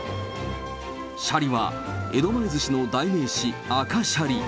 シャリは江戸前ずしの代名詞、赤シャリ。